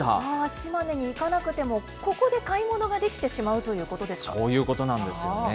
島根に行かなくても、ここで買い物ができてしまうということそういうことなんですよね。